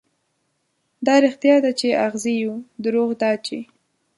دا رښتيا ده، چې اغزي يو، دروغ دا چې